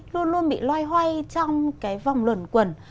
luôn luôn bị loay hoay trong cái vòng luẩn quẩn